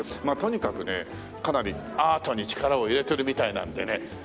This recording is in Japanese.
まあとにかくねかなりアートに力を入れてるみたいなんでね。